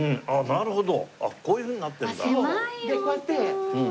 なるほど。